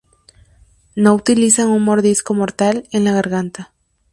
No utilizan un mordisco mortal en la garganta.